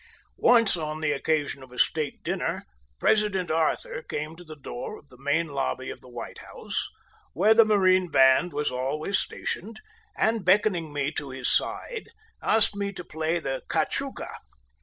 Once, on the occasion of a state dinner, President Arthur came to the door of the main lobby of the White House, where the Marine Band was always stationed, and beckoning me to his side asked me to play the "Cachuca."